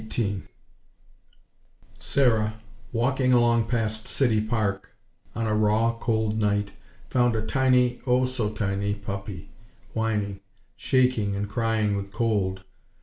XVIII Sarah, walking along past City Park on a raw, cold night, found a tiny, oh so tiny, puppy, whining, shaking and crying with cold.